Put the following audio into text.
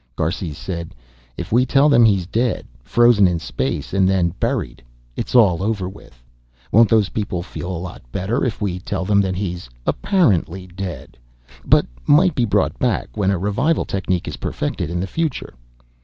Garces said, "If we tell them he's dead, frozen in space and then buried, it's all over with. Won't those people feel a lot better if we tell them that he's apparently dead, but might be brought back when a revival technique is perfected in the future?"